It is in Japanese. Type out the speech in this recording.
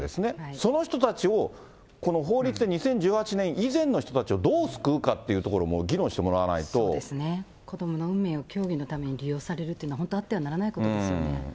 その人たちを、この法律で２０１８年以前の人たちをどう救うかっていうところも子どもの運命を教義のために利用されるってのは、本当あってはならないことですよね。